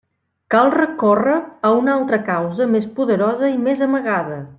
Cal recórrer a una altra causa més poderosa i més amagada.